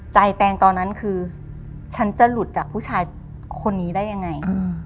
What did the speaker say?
แตงตอนนั้นคือฉันจะหลุดจากผู้ชายคนนี้ได้ยังไง